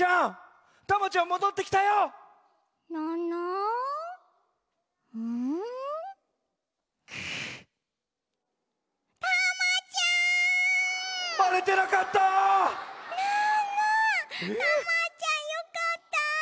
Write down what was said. タマちゃんよかった！